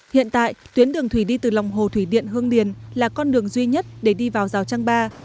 hiện tại tuyến đường thủy đi từ lòng hồ thủy điện hương điền là con đường duy nhất để đi vào rào trang ba